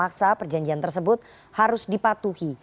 maksa perjanjian tersebut harus dipatuhi